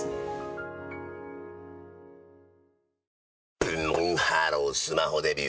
ブンブンハロースマホデビュー！